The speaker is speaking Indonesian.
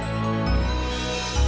terima kasih banyak